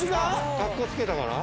かっこつけたから？